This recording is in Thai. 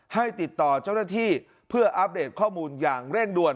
ให้ติดต่อเจ้าหน้าที่เพื่ออัปเดตข้อมูลอย่างเร่งด่วน